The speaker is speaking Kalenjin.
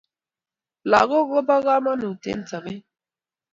lagok kobo kamagut eng' sabet